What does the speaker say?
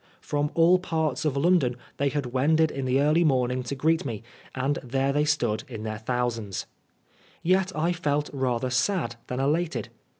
From all parts of London they had wended in the early morning to greet me, and there they stood in their thousands. Yet I felt rather sad than elated.